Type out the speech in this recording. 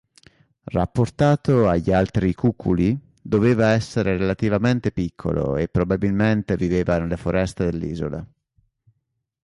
Rapportato agli altri cuculi doveva essere relativamente piccolo e probabilmente viveva nelle foreste dell'isola.